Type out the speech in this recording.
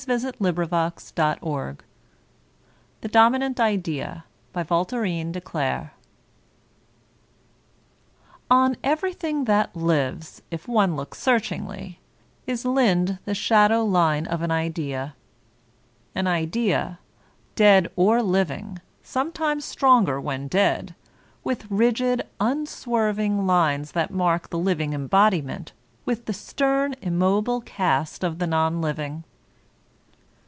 4t Qtyrirt last ESSAYS The Dominant Idea IN everything that lives, if one looks searching^y, is limned the shadow Une of an idea — an idea, dead or living, sometimes stronger when dead, with rigid, unswerving lines that mark the living em bodiment with the stem, immobile cast of the non living.